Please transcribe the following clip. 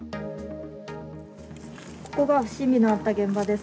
ここが不審火のあった現場です。